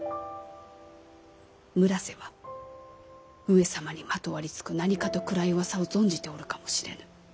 村瀬は上様にまとわりつく何かと暗い噂を存じておるかもしれぬ。